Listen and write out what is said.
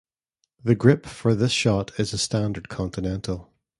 The grip for this shot is a standard continental.